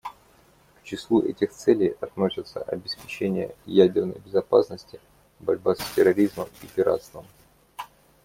К числу этих целей относятся обеспечение ядерной безопасности, борьба с терроризмом и пиратством.